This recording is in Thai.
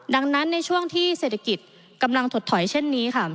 ดังนั้นในช่วงที่เศรษฐกิจกำลังถดถอยเช่นนี้ค่ะ